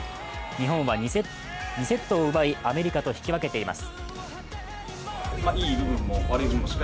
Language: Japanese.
日本は２セットを奪い、アメリカと引き分けています。